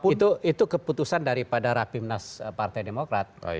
itu keputusan daripada rapimnas partai demokrat